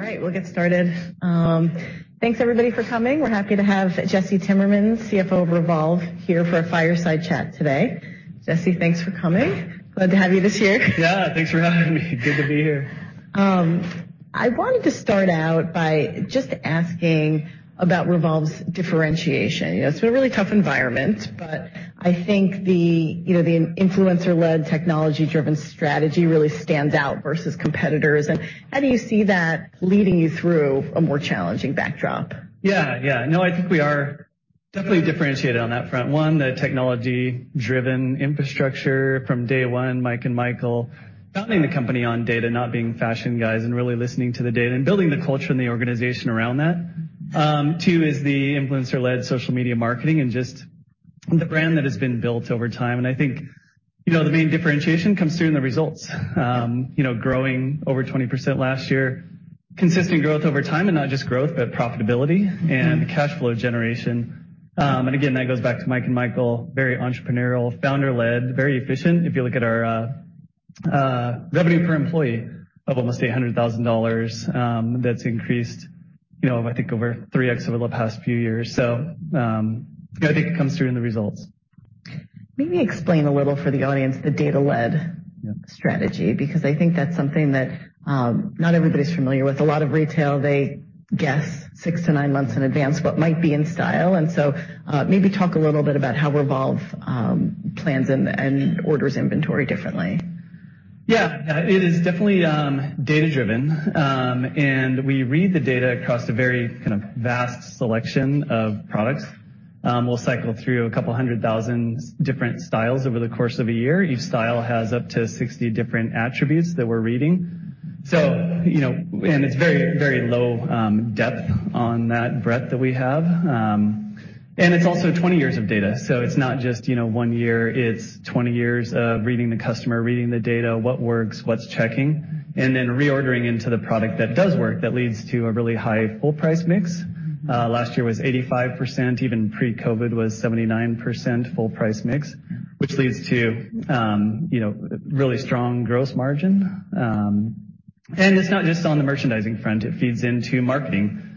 We'll get started. Thanks everybody for coming. We're happy to have Jesse Timmermans, CFO of REVOLVE, here for a fireside chat today. Jesse, thanks for coming. Glad to have you this year. Yeah, thanks for having me. Good to be here. I wanted to start out by just asking about REVOLVE's differentiation. You know, it's been a really tough environment, but I think the, you know, the influencer-led, technology-driven strategy really stands out versus competitors. How do you see that leading you through a more challenging backdrop? Yeah, yeah. I think we are definitely differentiated on that front. One, the technology-driven infrastructure from day one, Mike and Michael founding the company on data, not being fashion guys, and really listening to the data, and building the culture and the organization around that. Two is the influencer-led social media marketing and just the brand that has been built over time. I think, you know, the main differentiation comes through in the results. You know, growing over 20% last year, consistent growth over time. Not just growth, but profitability and cash flow generation. Again, that goes back to Mike and Michael, very entrepreneurial, founder-led, very efficient. If you look at our revenue per employee of almost $100,000, that's increased, you know, I think over 3x over the past few years. Yeah, I think it comes through in the results. Maybe explain a little for the audience, the data-led strategy, because I think that's something that not everybody's familiar with. A lot of retail, they guess six to nine months in advance what might be in style. Maybe talk a little bit about how REVOLVE plans and orders inventory differently. Yeah. It is definitely data-driven. We read the data across a very kind of vast selection of products. We'll cycle through a couple 100,000 different styles over the course of a year. Each style has up to 60 different attributes that we're reading. You know. It's very, very low depth on that breadth that we have. It's also 20 years of data. It's not just, you know, one year, it's 20 years of reading the customer, reading the data, what works, what's checking, and then reordering into the product that does work that leads to a really high full price mix. Last year was 85%, even pre-COVID was 79% full price mix, which leads to, you know, really strong gross margin. It's not just on the merchandising front. It feeds into marketing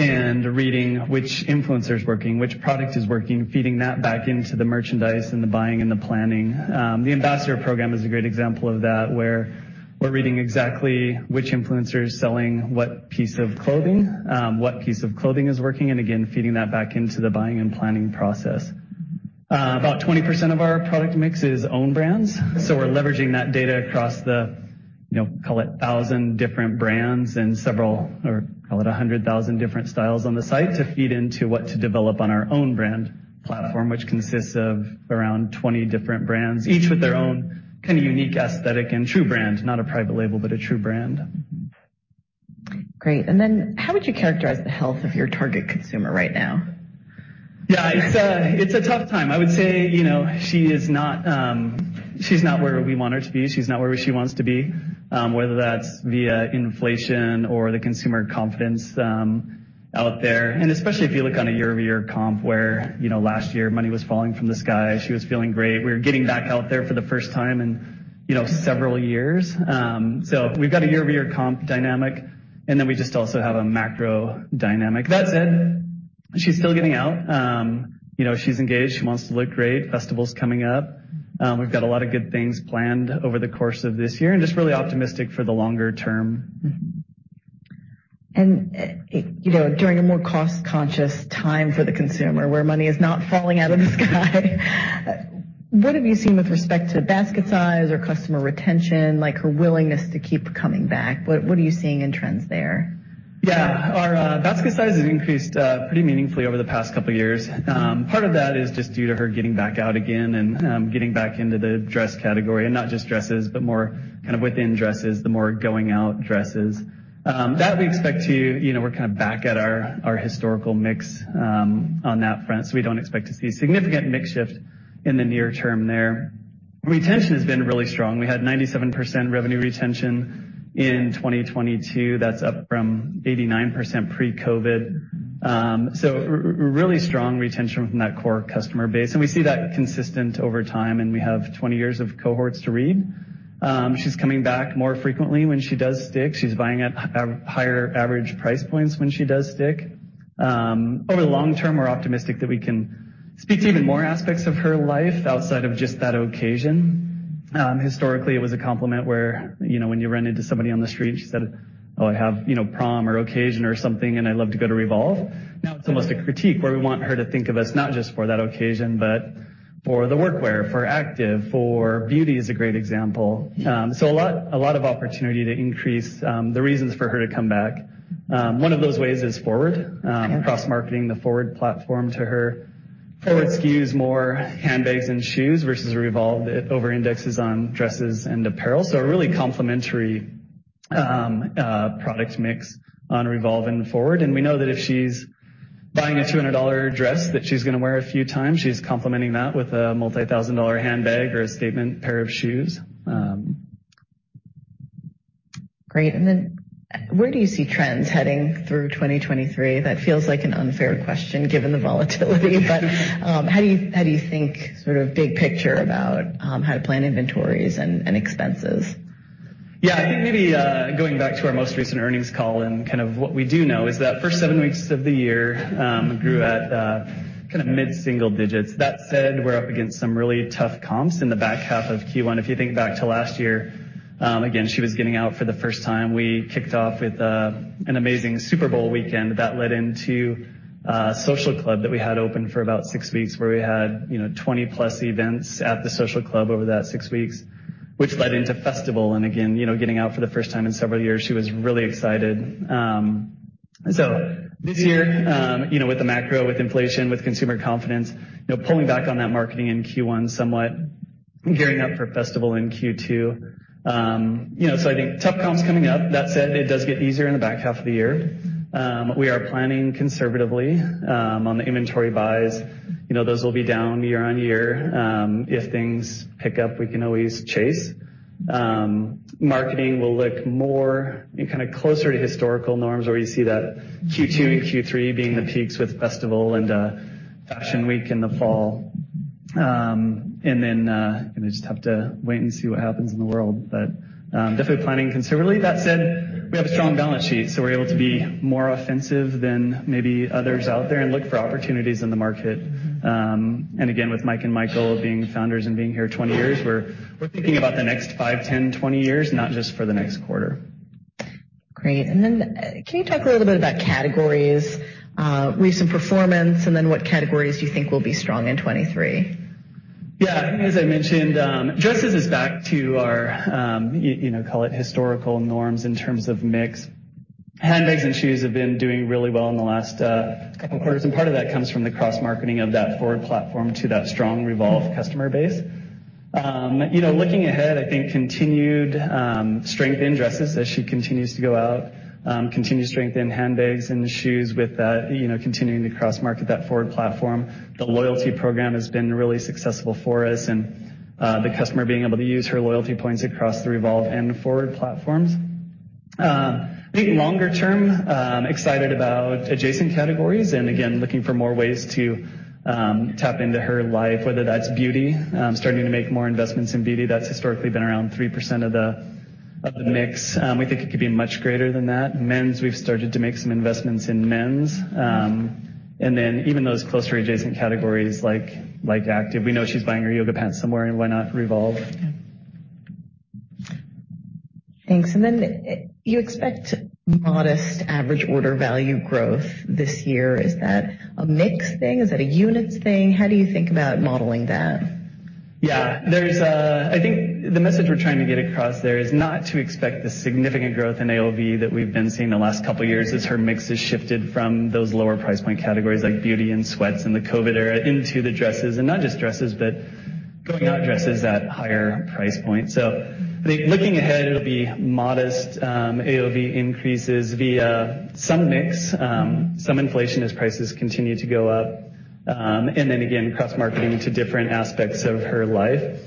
and reading which influencer is working, which product is working, feeding that back into the merchandise and the buying and the planning. The ambassador program is a great example of that, where we're reading exactly which influencer is selling what piece of clothing, what piece of clothing is working, and again, feeding that back into the buying and planning process. About 20% of our product mix is own brands, we're leveraging that data across the, you know, call it 1,000 different brands and call it 100,000 different styles on the site to feed into what to develop on our own brand platform, which consists of around 20 different brands, each with their own kind of unique aesthetic and true brand. Not a private label, but a true brand. Great. How would you characterize the health of your target consumer right now? Yeah, it's a, it's a tough time. I would say, you know, she is not, she's not where we want her to be. She's not where she wants to be, whether that's via inflation or the consumer confidence, out there. Especially if you look on a year-over-year comp, where, you know, last year money was falling from the sky. She was feeling great. We were getting back out there for the first time in, you know, several years. We've got a year-over-year comp dynamic, then we just also have a macro dynamic. That said, she's still getting out. You know, she's engaged. She wants to look great. Festival's coming up. We've got a lot of good things planned over the course of this year, just really optimistic for the longer term. Mm-hmm. you know, during a more cost-conscious time for the consumer, where money is not falling out of the sky, what have you seen with respect to basket size or customer retention, like, her willingness to keep coming back? What are you seeing in trends there? Our basket size has increased pretty meaningfully over the past couple years. Part of that is just due to her getting back out again and getting back into the dress category. Not just dresses, but more kind of within dresses, the more going out dresses. You know, we're kind of back at our historical mix on that front, so we don't expect to see a significant mix shift in the near term there. Retention has been really strong. We had 97% revenue retention in 2022. That's up from 89% pre-COVID. Really strong retention from that core customer base, and we see that consistent over time, and we have 20 years of cohorts to read. She's coming back more frequently when she does stick. She's buying at higher average price points when she does stick. Over the long term, we're optimistic that we can speak to even more aspects of her life outside of just that occasion. Historically, it was a compliment where, you know, when you run into somebody on the street and she said, "Oh, I have, you know, prom or occasion or something, and I love to go to REVOLVE." Now it's almost a critique, where we want her to think of us not just for that occasion, but for the work wear, for active, for beauty is a great example. A lot of opportunity to increase the reasons for her to come back. One of those ways is FWRD, cross-marketing the FWRD platform to her. FWRD skews more handbags and shoes versus REVOLVE. It over-indexes on dresses and apparel. A really complementary product mix on REVOLVE and FWRD. We know that if she's buying a $200 dress that she's gonna wear a few times, she's complementing that with a multi-thousand dollar handbag or a statement pair of shoes. Great. Where do you see trends heading through 2023? That feels like an unfair question given the volatility. How do you, how do you think sort of big picture about, how to plan inventories and expenses? Yeah. I think maybe going back to our most recent earnings call and kind of what we do know is that first seven weeks of the year grew at kind of mid-single digits. That said, we're up against some really tough comps in the back half of Q1. If you think back to last year, again, she was getting out for the first time. We kicked off with an amazing Super Bowl weekend that led into a social club that we had open for about six weeks, where we had, you know, 20-plus events at the social club over that six weeks, which led into festival. Again, you know, getting out for the first time in several years, she was really excited. This year, you know, with the macro, with inflation, with consumer confidence, you know, pulling back on that marketing in Q1 somewhat, gearing up for festival in Q2. You know, I think tough comps coming up. That said, it does get easier in the back half of the year. We are planning conservatively on the inventory buys. You know, those will be down year-over-year. If things pick up, we can always chase. Marketing will look more and kind of closer to historical norms where you see that Q2 and Q3 being the peaks with festival and Fashion Week in the fall. Gonna just have to wait and see what happens in the world. Definitely planning considerably. That said, we have a strong balance sheet, so we're able to be more offensive than maybe others out there and look for opportunities in the market. Again, with Mike and Michael being founders and being here 20 years, we're thinking about the next five, 10, 20 years, not just for the next quarter. Great. Can you talk a little bit about categories, recent performance, and then what categories you think will be strong in 2023? Yeah. I think as I mentioned, dresses is back to our, you know, call it historical norms in terms of mix. Handbags and shoes have been doing really well in the last couple quarters, and part of that comes from the cross-marketing of that FWRD platform to that strong REVOLVE customer base. You know, looking ahead, I think continued strength in dresses as she continues to go out, continued strength in handbags and shoes with, you know, continuing to cross-market that FWRD platform. The loyalty program has been really successful for us and the customer being able to use her loyalty points across the REVOLVE and FWRD platforms. I think longer term, excited about adjacent categories, and again, looking for more ways to tap into her life, whether that's beauty, starting to make more investments in beauty. That's historically been around 3% of the mix. We think it could be much greater than that. Men's, we've started to make some investments in men's, even those closer adjacent categories like active. We know she's buying her yoga pants somewhere, why not REVOLVE? Yeah. Thanks. You expect modest average order value growth this year. Is that a mix thing? Is that a units thing? How do you think about modeling that? Yeah. I think the message we're trying to get across there is not to expect the significant growth in AOV that we've been seeing the last couple years as her mix has shifted from those lower price point categories like beauty and sweats in the COVID era into the dresses, and not just dresses, but going-out dresses at higher price points. I think looking ahead, it'll be modest, AOV increases via some mix, some inflation as prices continue to go up, and then again, cross-marketing to different aspects of her life.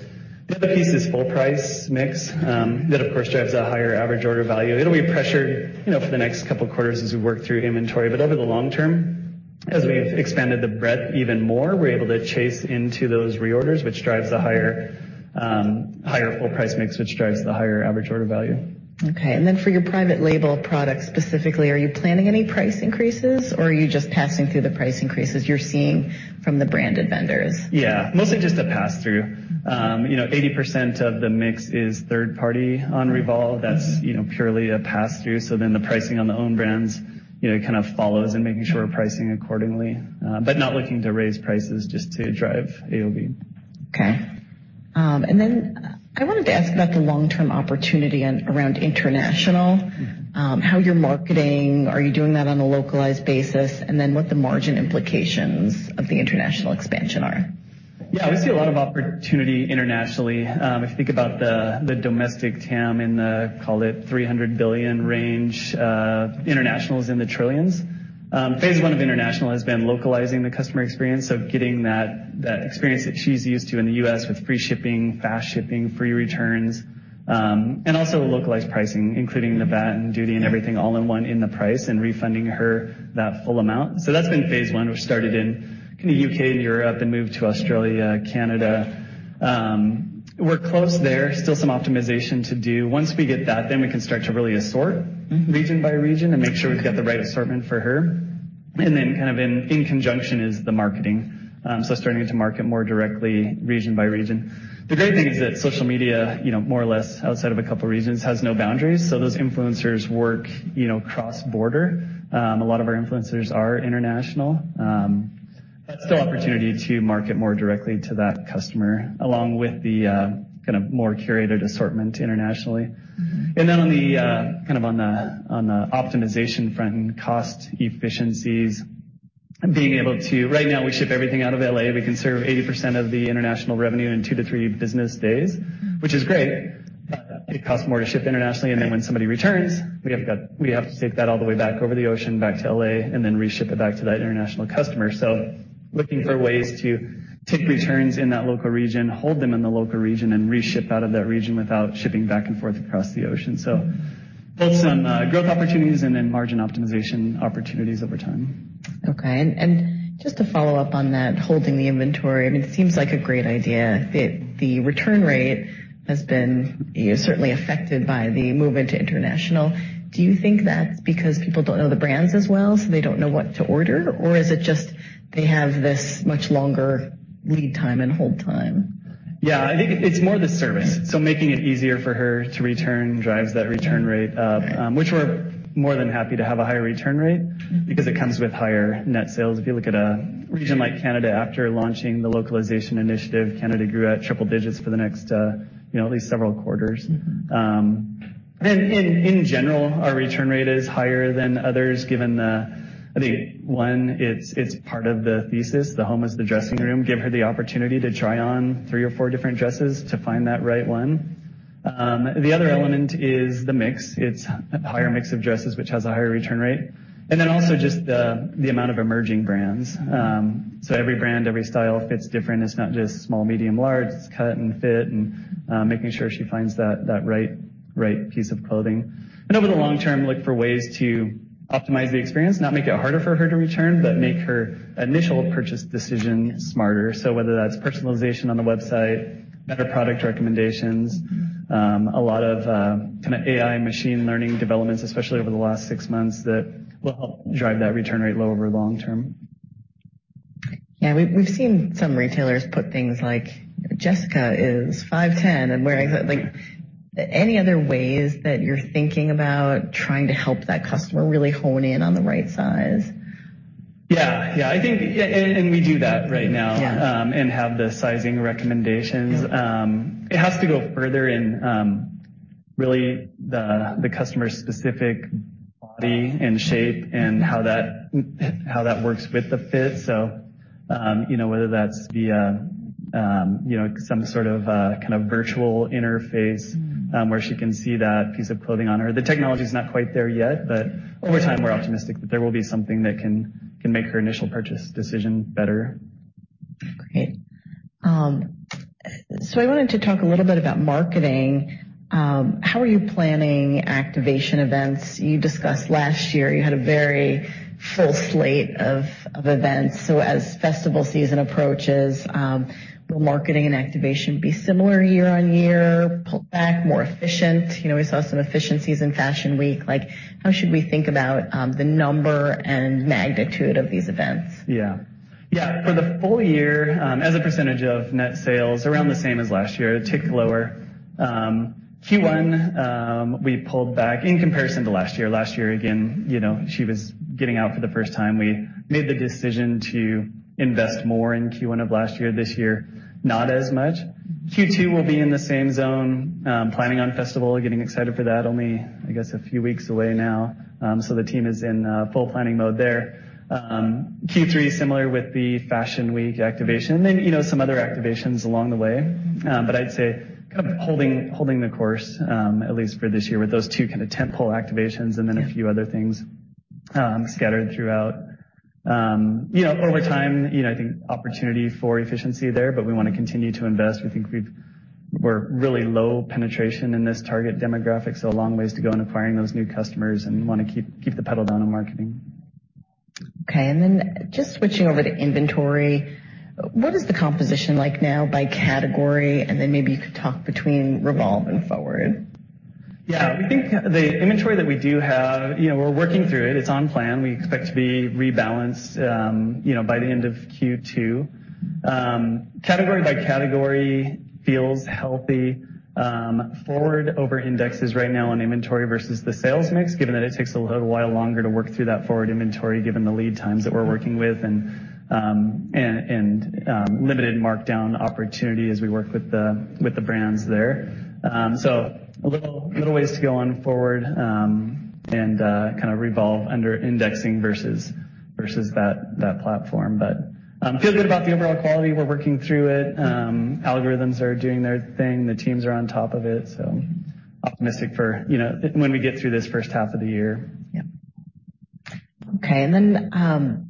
The other piece is full price mix, that of course drives a higher average order value. It'll be pressured, you know, for the next couple quarters as we work through inventory. Over the long term, as we've expanded the breadth even more, we're able to chase into those reorders, which drives the higher full price mix, which drives the higher average order value. Okay. For your private label products specifically, are you planning any price increases, or are you just passing through the price increases you're seeing from the branded vendors? Yeah. Mostly just a pass-through. you know, 80% of the mix is third party on REVOLVE. That's, you know, purely a pass-through. The pricing on the own brands, you know, it kind of follows in making sure we're pricing accordingly. Not looking to raise prices just to drive AOV. Okay. I wanted to ask about the long-term opportunity around international, how you're marketing, are you doing that on a localized basis, and then what the margin implications of the international expansion are? Yeah. We see a lot of opportunity internationally. If you think about the domestic TAM in the, call it, $300 billion range, international is in the trillions. Phase one of international has been localizing the customer experience, so getting that experience that she's used to in the U.S. with free shipping, fast shipping, free returns, and also localized pricing, including the VAT and duty and everything all in one in the price and refunding her that full amount. That's been phase one, which started in kinda U.K. and Europe, then moved to Australia, Canada. We're close there. Still some optimization to do. Once we get that, then we can start to really assort region by region and make sure we've got the right assortment for her. Kind of in conjunction is the marketing. Starting to market more directly region by region. The great thing is that social media, you know, more or less, outside of a couple regions, has no boundaries, so those influencers work, you know, cross-border. A lot of our influencers are international. But still opportunity to market more directly to that customer, along with the kind of more curated assortment internationally. On the kind of on the optimization front and cost efficiencies, being able to. Right now, we ship everything out of L.A. We can serve 80% of the international revenue in two to three business days, which is great, but it costs more to ship internationally. When somebody returns, we have to take that all the way back over the ocean, back to L.A., and then reship it back to that international customer. Looking for ways to take returns in that local region, hold them in the local region, and reship out of that region without shipping back and forth across the ocean. Both on growth opportunities and then margin optimization opportunities over time. Okay. Just to follow up on that, holding the inventory, I mean, it seems like a great idea. The return rate has been certainly affected by the movement to international. Do you think that's because people don't know the brands as well, so they don't know what to order? Or is it just they have this much longer lead time and hold time? Yeah. I think it's more the service. Making it easier for her to return drives that return rate up, which we're more than happy to have a higher return rate because it comes with higher net sales. If you look at a region like Canada, after launching the localization initiative, Canada grew at triple digits for the next, you know, at least several quarters. In general, our return rate is higher than others, given the, I think, one, it's part of the thesis. The home is the dressing room. Give her the opportunity to try on three or four different dresses to find that right one. The other element is the mix. It's a higher mix of dresses, which has a higher return rate. Also just the amount of emerging brands. Every brand, every style fits different. It's not just small, medium, large. It's cut and fit and making sure she finds that right piece of clothing. Over the long term, look for ways to optimize the experience, not make it harder for her to return, but make her initial purchase decision smarter. Whether that's personalization on the website, better product recommendations, a lot of kind of AI machine learning developments, especially over the last six months, that will help drive that return rate low over long term. We've seen some retailers put things like, "Jessica is 5'10 and wearing," like, any other ways that you're thinking about trying to help that customer really hone in on the right size? Yeah. Yeah. We do that right now. Yeah. Have the sizing recommendations. It has to go further in, really the customer-specific body and shape and how that works with the fit. You know, whether that's via, you know, some sort of kind of virtual interface, where she can see that piece of clothing on her. The technology's not quite there yet, but over time, we're optimistic that there will be something that can make her initial purchase decision better. Great. I wanted to talk a little bit about marketing. How are you planning activation events? You discussed last year you had a very full slate of events. As festival season approaches, will marketing and activation be similar year-on-year, pulled back, more efficient? You know, we saw some efficiencies in Fashion Week. Like, how should we think about the number and magnitude of these events? Yeah. Yeah. For the full year, as a percentage of net sales, around the same as last year, a tick lower. Q1, we pulled back in comparison to last year. Last year, again, you know, she was getting out for the first time. We made the decision to invest more in Q1 of last year. This year, not as much. Q2 will be in the same zone. Planning on festival, getting excited for that. Only, I guess, a few weeks away now. So the team is in full planning mode there. Q3, similar with the Fashion Week activation, and then, you know, some other activations along the way. But I'd say kind of holding the course, at least for this year with those two kind of tent pole activations and then a few other things, scattered throughout. You know, over time, you know, I think opportunity for efficiency there, but we wanna continue to invest. We think we're really low penetration in this target demographic, so a long ways to go in acquiring those new customers, and we wanna keep the pedal down on marketing. Okay. Then just switching over to inventory, what is the composition like now by category? Then maybe you could talk between REVOLVE and FWRD. Yeah. We think the inventory that we do have, you know, we're working through it. It's on plan. We expect to be rebalanced, you know, by the end of Q2. Category by category feels healthy. FWRD over indexes right now on inventory versus the sales mix, given that it takes a little while longer to work through that FWRD inventory, given the lead times that we're working with and, limited markdown opportunity as we work with the, with the brands there. A little ways to go on FWRD, and, kind of Revolve under indexing versus that platform. Feel good about the overall quality. We're working through it. Algorithms are doing their thing. The teams are on top of it. Optimistic for, you know, when we get through this first half of the year. Yeah. Okay. you know,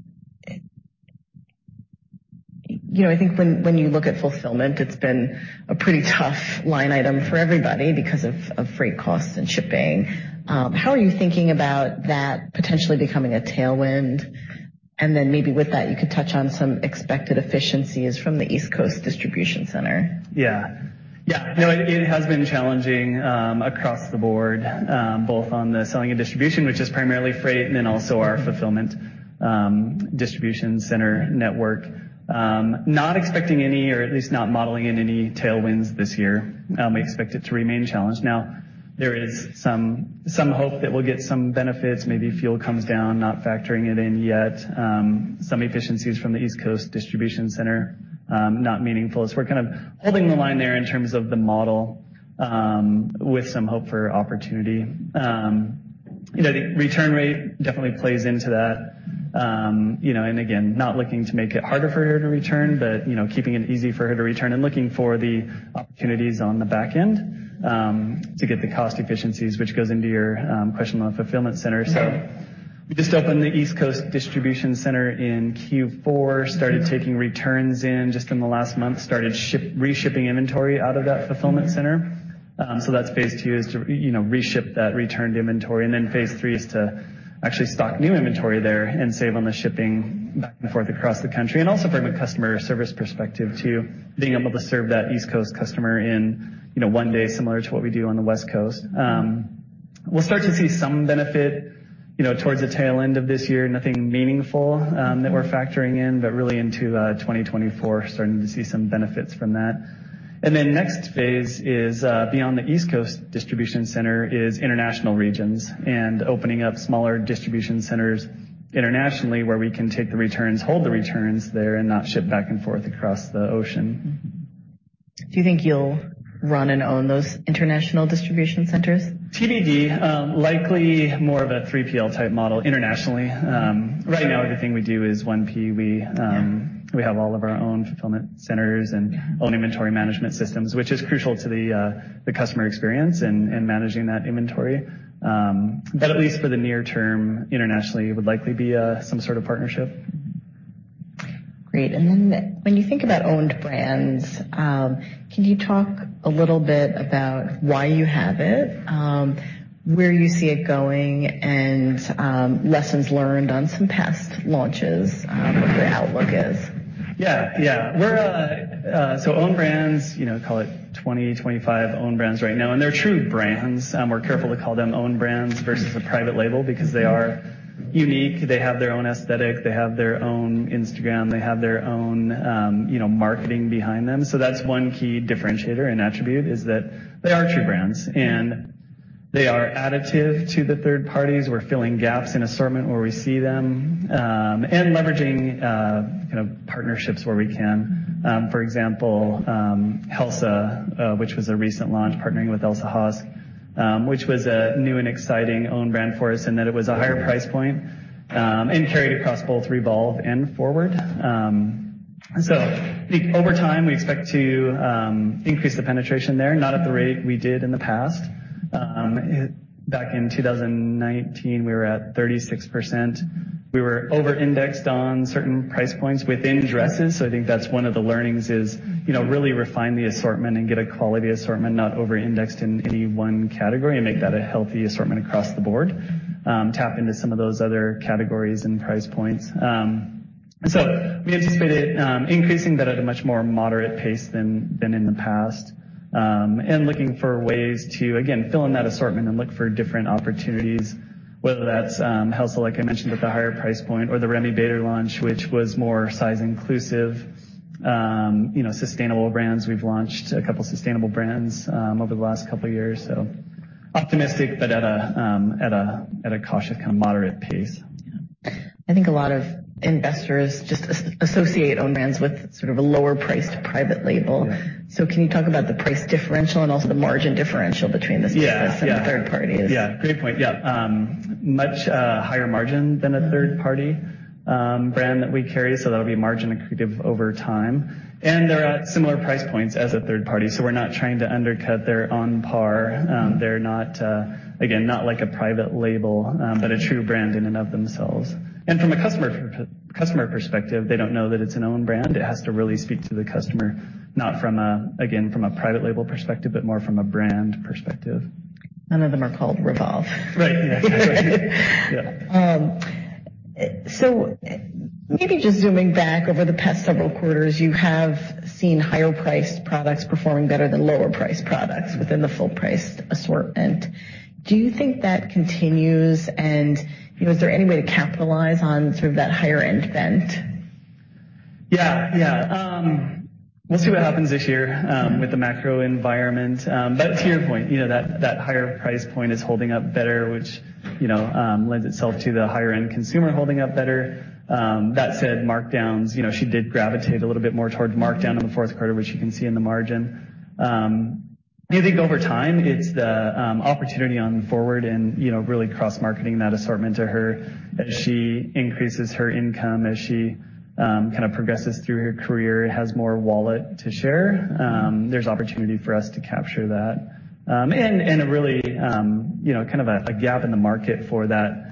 I think when you look at fulfillment, it's been a pretty tough line item for everybody because of freight costs and shipping. How are you thinking about that potentially becoming a tailwind? Maybe with that, you could touch on some expected efficiencies from the East Coast distribution center. Yeah. It has been challenging, across the board, both on the selling and distribution, which is primarily freight. Also our fulfillment, distribution center network. Not expecting any or at least not modeling in any tailwinds this year. We expect it to remain a challenge. Now there is some hope that we'll get some benefits, maybe fuel comes down, not factoring it in yet. Some efficiencies from the East Coast distribution center, not meaningful. We're kind of holding the line there in terms of the model, with some hope for opportunity. You know, the return rate definitely plays into that. You know, and again, not looking to make it harder for her to return, but, you know, keeping it easy for her to return and looking for the opportunities on the back end, to get the cost efficiencies, which goes into your question on fulfillment center. We just opened the East Coast distribution center in Q4, started taking returns in just in the last month, started reshipping inventory out of that fulfillment center. That's phase two, is to, you know, reship that returned inventory. Then phase three is to actually stock new inventory there and save on the shipping back and forth across the country. Also from a customer service perspective too, being able to serve that East Coast customer in, you know, one day, similar to what we do on the West Coast. We'll start to see some benefit, you know, towards the tail end of this year. Nothing meaningful that we're factoring in, but really into 2024, starting to see some benefits from that. Next phase is beyond the East Coast distribution center, is international regions and opening up smaller distribution centers internationally, where we can take the returns, hold the returns there, and not ship back and forth across the ocean. Do you think you'll run and own those international distribution centers? TBD. likely more of a 3PL type model internationally. Right now everything we do is 1P. We have all of our own fulfillment centers and own inventory management systems, which is crucial to the customer experience and managing that inventory. At least for the near term, internationally, it would likely be, some sort of partnership. Great. When you think about owned brands, can you talk a little bit about why you have it, where you see it going and, lessons learned on some past launches, what the outlook is? Yeah. Yeah. We're owned brands, you know, call it 20-25 owned brands right now, and they're true brands. We're careful to call them owned brands versus a private label because they are unique. They have their own aesthetic, they have their own Instagram, they have their own, you know, marketing behind them. That's one key differentiator and attribute, is that they are true brands, and they are additive to the third parties. We're filling gaps in assortment where we see them, and leveraging, you know, partnerships where we can. For example, Helsa, which was a recent launch partnering with Elsa Hosk, which was a new and exciting own brand for us, and that it was a higher price point, and carried across both REVOLVE and FWRD. I think over time, we expect to increase the penetration there, not at the rate we did in the past. Back in 2019, we were at 36%. We were over-indexed on certain price points within dresses. I think that's one of the learnings is, you know, really refine the assortment and get a quality assortment, not over-indexed in any one category, and make that a healthy assortment across the board. Tap into some of those other categories and price points. We anticipated increasing that at a much more moderate pace than in the past, and looking for ways to again, fill in that assortment and look for different opportunities, whether that's Helsa, like I mentioned, at the higher price point or the Remi Bader launch, which was more size inclusive, you know, sustainable brands. We've launched a couple of sustainable brands, over the last couple of years. Optimistic, but at a cautious kind of moderate pace. I think a lot of investors just associate own brands with sort of a lower priced private label. Yeah. Can you talk about the price differential and also the margin differential between. Yeah. The third parties? Yeah. Great point. Yeah. Much higher margin than a third party brand that we carry. That'll be margin accretive over time. They're at similar price points as a third party, so we're not trying to undercut. They're on par. They're not, again, not like a private label, but a true brand in and of themselves. From a customer per-customer perspective, they don't know that it's an own brand. It has to really speak to the customer, not from a, again, from a private label perspective, but more from a brand perspective. None of them are called REVOLVE. Right. Yeah. Yeah. Maybe just zooming back over the past several quarters, you have seen higher priced products performing better than lower priced products within the full priced assortment. Do you think that continues? You know, is there any way to capitalize on sort of that higher end bent? Yeah. We'll see what happens this year with the macro environment. To your point, you know, that higher price point is holding up better, which, you know, lends itself to the higher end consumer holding up better. That said, markdowns, you know, she did gravitate a little bit more towards markdown in the fourth quarter, which you can see in the margin. I think over time it's the opportunity on FWRD and, you know, really cross-marketing that assortment to her as she increases her income, as she kind of progresses through her career, has more wallet to share. There's opportunity for us to capture that. Really, you know, kind of a gap in the market for that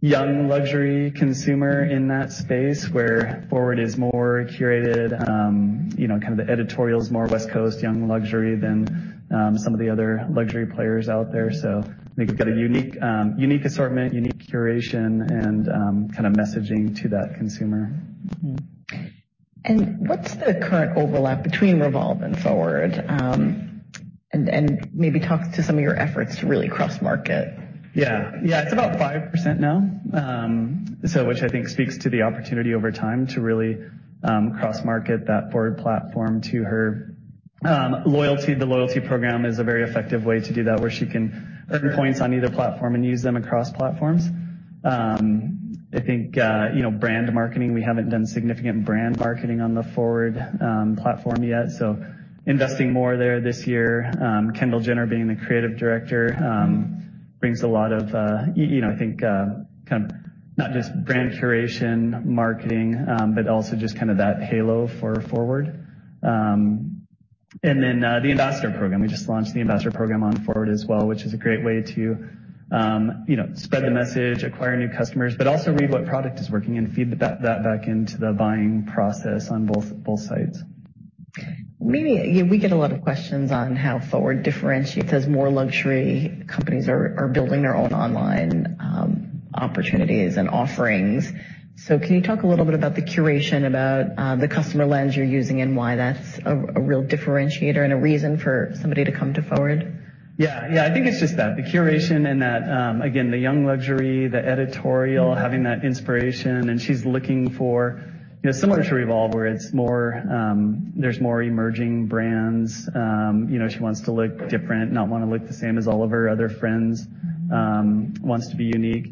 young luxury consumer in that space where FWRD is more curated, you know, kind of the editorial is more West Coast young luxury than some of the other luxury players out there. I think we've got a unique assortment, unique curation, and kind of messaging to that consumer. What's the current overlap between REVOLVE and FWRD? Maybe talk to some of your efforts to really cross market. Yeah. Yeah. It's about 5% now, which I think speaks to the opportunity over time to really cross market that FWRD platform to her. The loyalty program is a very effective way to do that, where she can earn points on either platform and use them across platforms. You know, brand marketing, we haven't done significant brand marketing on the FWRD platform yet, so investing more there this year. Kendall Jenner being the creative director brings a lot of, you know, I think kind of not just brand curation, marketing, but also just kind of that halo for FWRD. The ambassador program. We just launched the ambassador program on FWRD as well, which is a great way to, you know, spread the message, acquire new customers, but also read what product is working and feed that back into the buying process on both sites. Yeah, we get a lot of questions on how FWRD differentiates as more luxury companies are building their own online opportunities and offerings. Can you talk a little bit about the curation, about the customer lens you're using and why that's a real differentiator and a reason for somebody to come to FWRD? Yeah. I think it's just that, the curation and that, again, the young luxury, the editorial, having that inspiration. She's looking for, you know, similar to REVOLVE, where it's more, there's more emerging brands. You know, she wants to look different, not wanna look the same as all of her other friends, wants to be unique.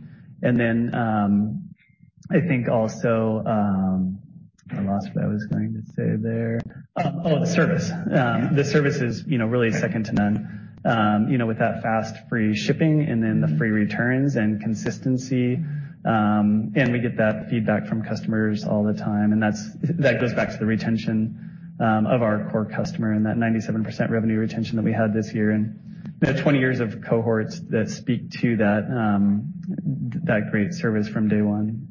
I think also, I lost what I was going to say there. Oh, the service. The service is, you know, really second to none, you know, with that fast free shipping and then the free returns and consistency. We get that feedback from customers all the time, and that goes back to the retention of our core customer and that 97% revenue retention that we had this year. We have 20 years of cohorts that speak to that great service from day one.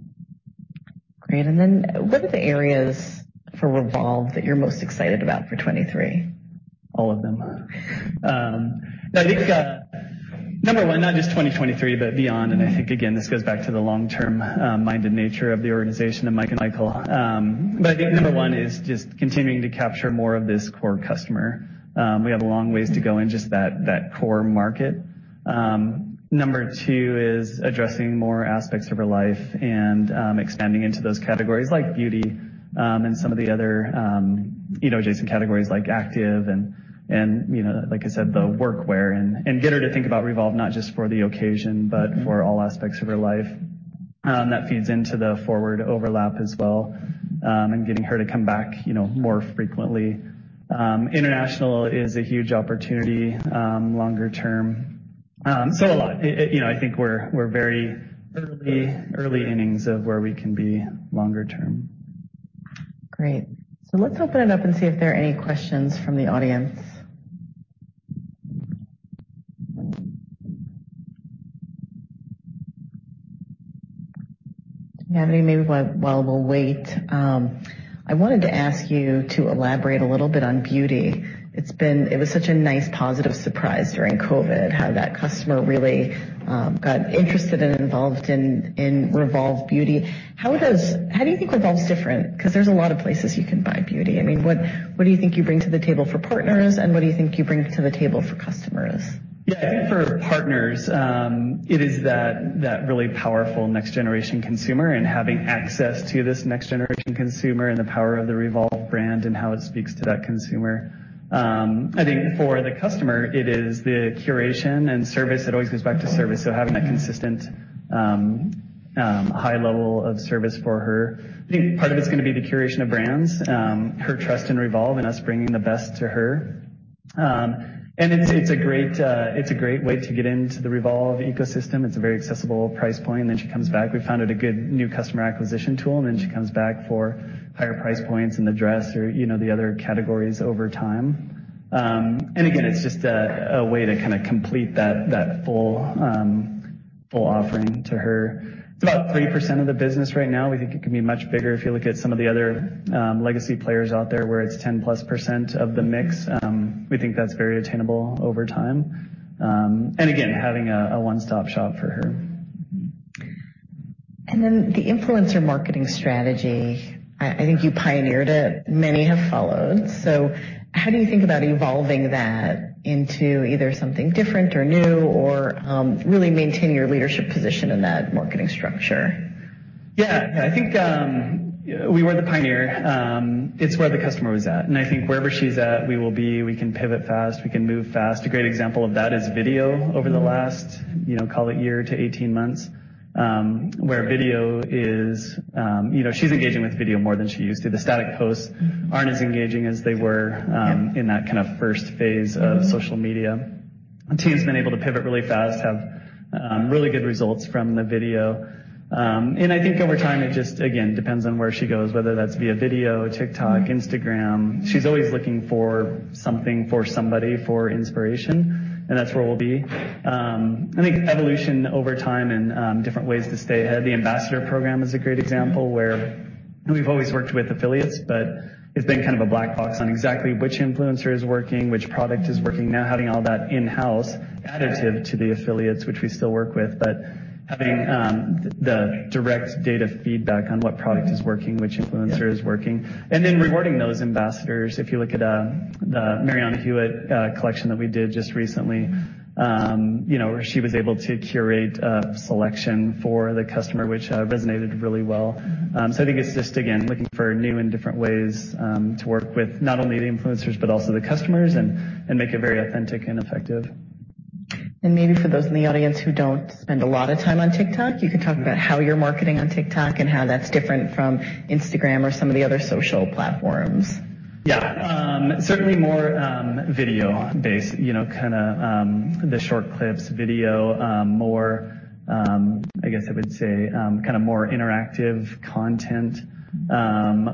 Great. Then what are the areas for REVOLVE that you're most excited about for 2023? All of them. No. I think, number one, not just 2023, but beyond. I think again, this goes back to the long-term mind and nature of the organization of Mike and Michael. I think number one is just continuing to capture more of this core customer. We have a long ways to go in just that core market. Number two is addressing more aspects of her life and expanding into those categories like beauty and some of the other, you know, adjacent categories like active and, you know, like I said, the work wear and get her to think about REVOLVE not just for the occasion, but for all aspects of her life. That feeds into the FWRD overlap as well, and getting her to come back, you know, more frequently. International is a huge opportunity, longer term. A lot. You know, I think we're very early innings of where we can be longer term. Great. Let's open it up and see if there are any questions from the audience. Maybe while we'll wait, I wanted to ask you to elaborate a little bit on beauty. It was such a nice positive surprise during COVID, how that customer really got interested and involved in REVOLVE Beauty. How do you think REVOLVE's different? 'Cause there's a lot of places you can buy beauty. I mean, what do you think you bring to the table for partners, and what do you think you bring to the table for customers? I think for partners, it is that really powerful next generation consumer and having access to this next generation consumer and the power of the REVOLVE brand and how it speaks to that consumer. I think for the customer, it is the curation and service. It always goes back to service. Having that consistent high level of service for her. I think part of it's gonna be the curation of brands, her trust in REVOLVE and us bringing the best to her. It's a great way to get into the REVOLVE ecosystem. It's a very accessible price point. Then she comes back. We found it a good new customer acquisition tool. Then she comes back for higher price points in the dress or, you know, the other categories over time. Again, it's just a way to kinda complete that full offering to her. It's about 3% of the business right now. We think it can be much bigger. If you look at some of the other legacy players out there where it's 10%+ of the mix, we think that's very attainable over time. Again, having a one-stop shop for her. The influencer marketing strategy. I think you pioneered it. Many have followed. How do you think about evolving that into either something different or new or really maintaining your leadership position in that marketing structure? Yeah. I think we were the pioneer. It's where the customer was at. I think wherever she's at, we will be. We can pivot fast. We can move fast. A great example of that is video over the last, you know, call it year to 18 months, where video is, you know, she's engaging with video more than she used to. The static posts aren't as engaging as they were in that kind of first phase of social media. The team's been able to pivot really fast, have really good results from the video. I think over time, it just, again, depends on where she goes, whether that's via video, TikTok, Instagram. She's always looking for something, for somebody, for inspiration, and that's where we'll be. I think evolution over time and different ways to stay ahead. The ambassador program is a great example where. We've always worked with affiliates, but it's been kind of a black box on exactly which influencer is working, which product is working. Now, having all that in-house, additive to the affiliates, which we still work with, but having, the direct data feedback on what product is working, which influencer is working. Then rewarding those ambassadors. If you look at, the Marianna Hewitt collection that we did just recently, you know, where she was able to curate a selection for the customer, which resonated really well. I think it's just, again, looking for new and different ways, to work with not only the influencers, but also the customers and make it very authentic and effective. Maybe for those in the audience who don't spend a lot of time on TikTok, you could talk about how you're marketing on TikTok and how that's different from Instagram or some of the other social platforms. Yeah. Certainly more video based, you know, the short clips video, more I guess I would say more interactive content.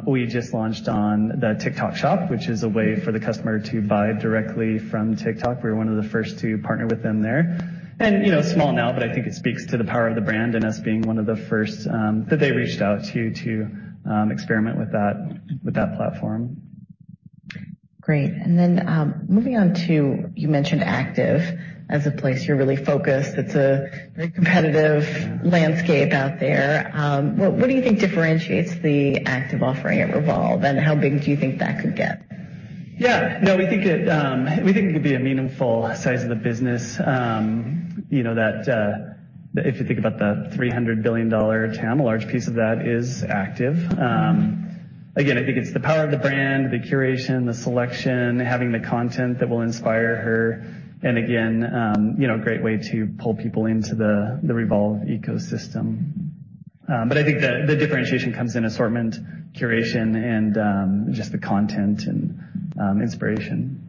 We just launched on the TikTok Shop, which is a way for the customer to buy directly from TikTok. We're one of the first to partner with them there. You know, small now, but I think it speaks to the power of the brand and us being one of the first that they reached out to experiment with that platform. Great. Moving on to, you mentioned active as a place you're really focused. It's a very competitive landscape out there. What do you think differentiates the active offering at Revolve, and how big do you think that could get? No, we think it, we think it could be a meaningful size of the business. You know, that, if you think about the $300 billion TAM, a large piece of that is active. Again, I think it's the power of the brand, the curation, the selection, having the content that will inspire her, and again, you know, a great way to pull people into the REVOLVE ecosystem. I think the differentiation comes in assortment, curation, and just the content and inspiration.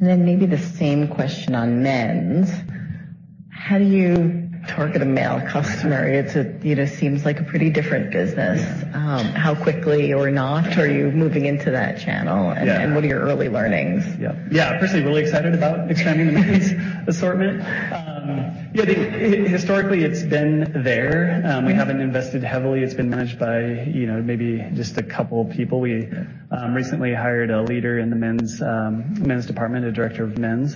Maybe the same question on men's. How do you target a male customer? It's you know, seems like a pretty different business. Yeah. How quickly or not are you moving into that channel? Yeah. What are your early learnings? Yeah. Personally, really excited about expanding the men's assortment. Yeah, I think historically it's been there. We haven't invested heavily. It's been managed by, you know, maybe just a couple of people. We recently hired a leader in the men's men's department, a Director of men's.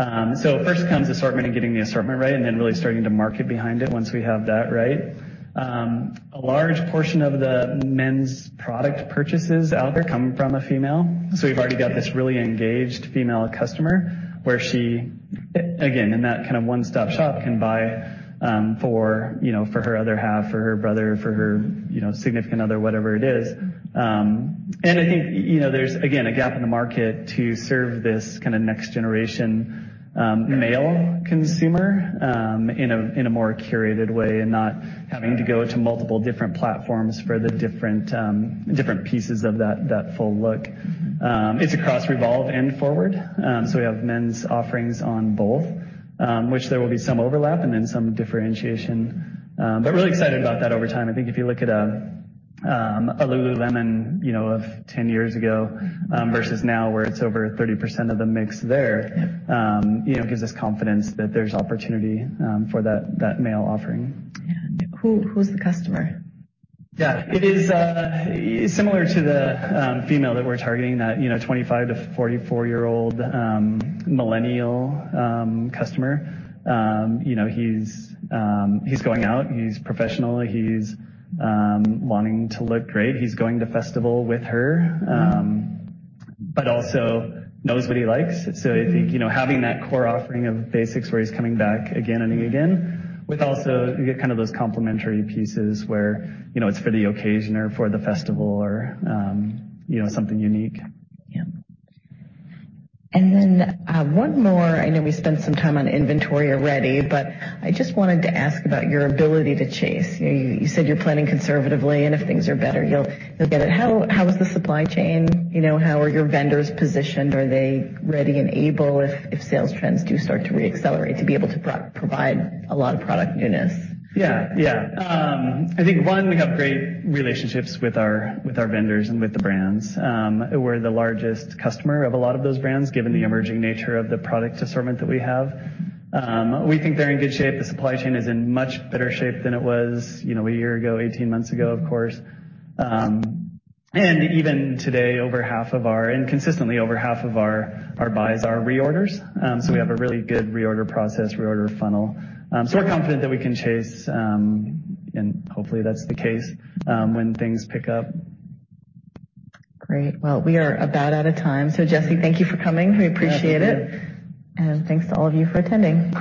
First comes assortment and getting the assortment right, and then really starting to market behind it once we have that right. A large portion of the men's product purchases out there come from a female. We've already got this really engaged female customer where she, again, in that kind of one-stop shop, can buy for, you know, for her other half, for her brother, for her, you know, significant other, whatever it is. I think, you know, there's again, a gap in the market to serve this kind of next generation male consumer in a more curated way and not having to go to multiple different platforms for the different different pieces of that full look. It's across REVOLVE and FWRD. We have men's offerings on both, which there will be some overlap and then some differentiation. Really excited about that over time. I think if you look at a Lululemon, you know, of 10 years ago versus now where it's over 30% of the mix there. Yeah. You know, gives us confidence that there's opportunity, for that male offering. Who's the customer? Yeah. It is similar to the female that we're targeting, that, you know, 25 to 44-year-old millennial customer. You know, he's going out, he's professional, he's wanting to look great. He's going to festival with her. Also knows what he likes. I think, you know, having that core offering of basics where he's coming back again and again, with also you get kind of those complimentary pieces where, you know, it's for the occasion or for the festival or, you know, something unique. Yeah. One more. I know we spent some time on inventory already, but I just wanted to ask about your ability to chase. You know, you said you're planning conservatively, and if things are better, you'll get it. How is the supply chain? You know, how are your vendors positioned? Are they ready and able if sales trends do start to re-accelerate, to be able to provide a lot of product newness? Yeah. I think, one, we have great relationships with our vendors and with the brands. We're the largest customer of a lot of those brands, given the emerging nature of the product assortment that we have. We think they're in good shape. The supply chain is in much better shape than it was, you know, one year ago, 18 months ago, of course. And even today, consistently over half of our buys are reorders. We have a really good reorder process, reorder funnel. We're confident that we can chase, and hopefully that's the case when things pick up. Great. Well, we are about out of time. Jesse, thank you for coming. We appreciate it. Absolutely. Thanks to all of you for attending.